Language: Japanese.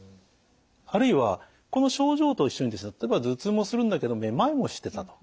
あるいはこの症状と一緒に例えば頭痛もするんだけどめまいもしてたと。